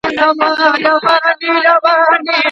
آیا بهرني نندارتونونه د افغان مېوو له پاره ګټور دي؟.